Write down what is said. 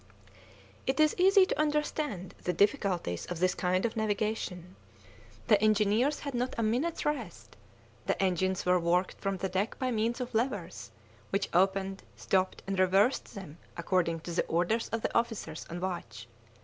It is easy to understand the difficulties of this kind of navigation; the engineers had not a minute's rest; the engines were worked from the deck by means of levers, which opened, stopped, and reversed them according to the orders of the officers on watch.